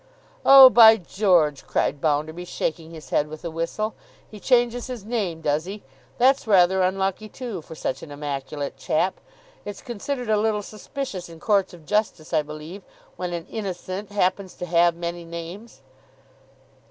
'Oh, by George!' cried Bounderby, shaking his head, with a whistle, 'he changes his name, does he! That's rather unlucky, too, for such an immaculate chap. It's considered a little suspicious in Courts of Justice, I believe, when an Innocent happens to have many names.